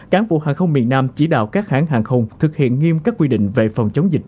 cảng vụ hàng không miền nam chỉ đạo các hãng hàng không thực hiện nghiêm các quy định về phòng chống dịch